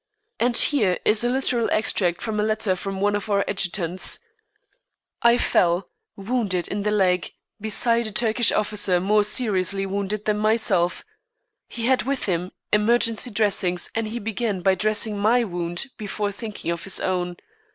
And here is a literal extract from a letter from one of our adjutants: "I fell, wounded in the leg, beside a Turkish officer more seriously wounded than myself; he had with him emergency dressings and he began by dressing my wound before thinking of his own.